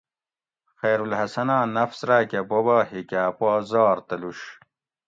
خیرالحسناں نفس راکہ بوباں ھیکا پا زھر تلوش